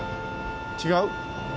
違う？